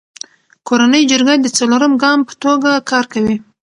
کورنی جرګه د څلورم ګام په توګه کار کوي.